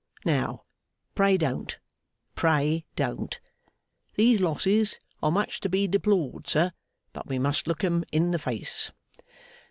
Now, pray don't, pray don't. These losses are much to be deplored, sir, but we must look 'em in the face.